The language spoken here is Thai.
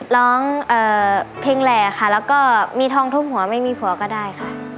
ร้องเพลงแหล่ค่ะแล้วก็มีทองทุบหัวไม่มีผัวก็ได้ค่ะ